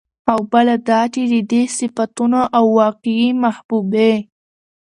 او بله دا چې د دې صفتونو او واقعي محبوبې